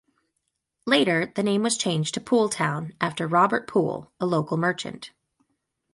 Later, the name was changed to Pooltown after Robert Pool, a local merchant.